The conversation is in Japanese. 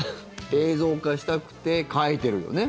映像化したくて書いてるよね？